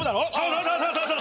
そうそうそうそう！